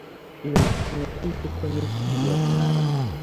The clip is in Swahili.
ili mfanye kitu kwa misingi ya busara